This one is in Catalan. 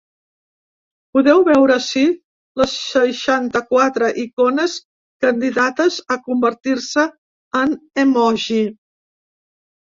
Podeu veure ací les seixanta-quatre icones candidates a convertir-se en emoji.